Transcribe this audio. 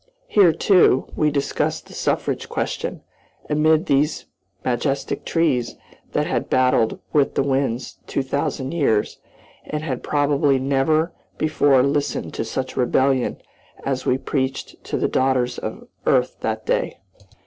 Here, too, we discussed the suffrage question, amid these majestic trees that had battled with the winds two thousand years, and had probably never before listened to such rebellion as we preached to the daughters of earth that day.